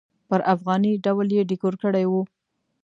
پر افغاني ډول یې ډیکور کړی و.